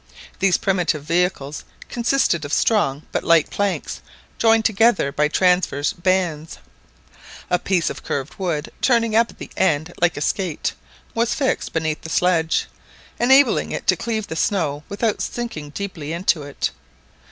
These primitive vehicles consisted of strong but light planks joined together by transverse bands. A piece of curved wood, turning up at the end like a skate, was fixed beneath the sledge, enabling it to cleave the snow without sinking deeply into it.